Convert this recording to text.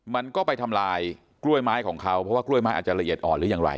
มันก็ไปทำลายกล้วยไม้ของเขาเพราะว่ากล้วยไม้อาจจะละเอียดอ่อนหรือยังไร